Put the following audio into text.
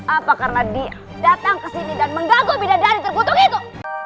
apa karena dia datang kesini dan menggaguh bidan dari tergutuk itu